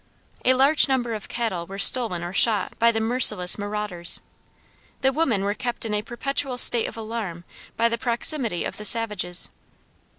A large number of cattle were stolen or shot by the merciless marauders. The women were kept in a perpetual state of alarm by the proximity of the savages.